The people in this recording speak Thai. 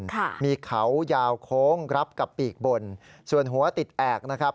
ค่ะมีเขายาวโค้งรับกับปีกบนส่วนหัวติดแอกนะครับ